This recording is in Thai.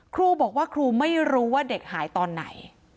ครูบอกว่าครูไม่รู้ว่าเด็กหายตอนไหน